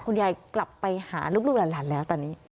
กลับไปหาลูกหลานแล้วตอนนี้